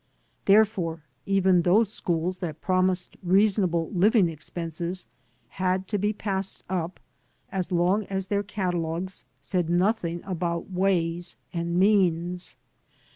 Therefore, even those schools that promised reasonable living expenses had to be passed up, as long as their cata logues said nothing about ways and means.